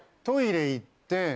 トイレ行って。